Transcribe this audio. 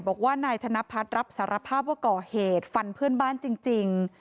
บอกว่านายธนพัฒน์รับสารภาพว่าก่อเหตุฟันเพื่อนบ้านจริง